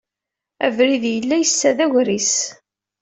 Abrid yella yessa d agris.